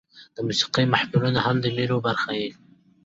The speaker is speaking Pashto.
د موسیقۍ محفلونه هم د مېلو برخه يي.